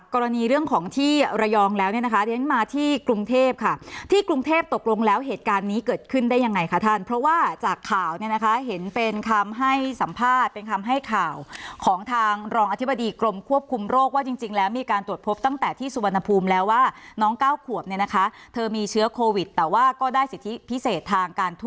กรุงเทพตกลงแล้วเหตุการณ์นี้เกิดขึ้นได้ยังไงคะท่านเพราะว่าจากข่าวเนี่ยนะคะเห็นเป็นคำให้สัมภาษณ์เป็นคำให้ข่าวของทางรองอธิบดีกรมควบคุมโรคว่าจริงจริงแล้วมีการตรวจพบตั้งแต่ที่สุวรรณภูมิแล้วว่าน้องเก้าขวบเนี่ยนะคะเธอมีเชื้อโควิดแต่ว่าก็ได้สิทธิพิเศษทางการ